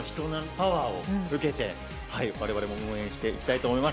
パワーを受けて我々も応援していきたいと思います。